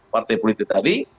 partai politik tadi